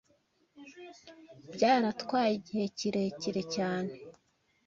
byaratwaye igihe kirekire cyane